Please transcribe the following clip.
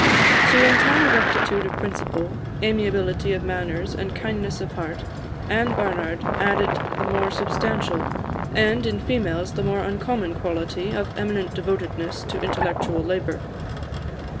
To entire rectitude of principle, amiability of manners, and kindliness of heart, Anne Barnard added the more substantial, and, in females, the more uncommon quality of eminent devotedness to intellectual labour.